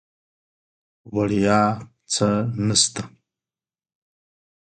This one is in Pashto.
وړیا څه نسته.